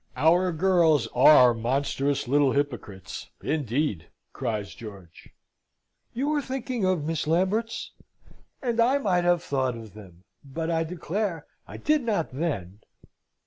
"Our girls are monstrous little hypocrites, indeed!" cries George. "You are thinking of Miss Lamberts? and I might have thought of them; but I declare I did not then.